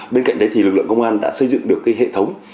bên cạnh đấy thì lực lượng công an đã xây dựng được cái hệ thống